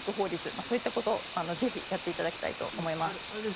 そういったことを、ぜひやっていただきたいと思います。